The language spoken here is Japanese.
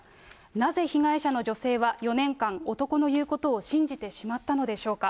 なぜ被害者の女性は４年間、男の言うことを信じてしまったのでしょうか。